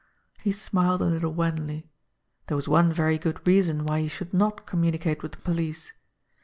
He smiled a little wanly. There was one very good reason why he should not communicate with the police.